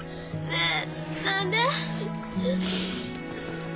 ねえ何で？